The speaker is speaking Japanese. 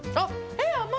えっ。